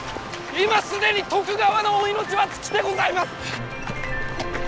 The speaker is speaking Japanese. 今既に徳川のお命は尽きてございます！